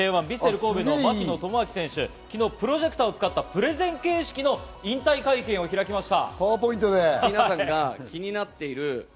神戸の槙野智章選手、昨日プロジェクターを使ったプレゼン形式の引退会見を開きました。